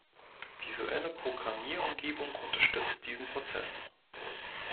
Visuelle Programmierumgebung unterstützt diesen Prozess.